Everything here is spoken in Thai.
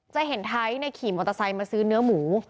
จะเห็นไทยขี่มอเตอร์ไซค์มาซื้อเนื้อหมู